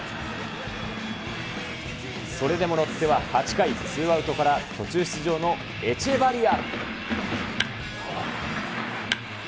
それでもロッテは８回、ツーアウトから途中出場のエチェバリア。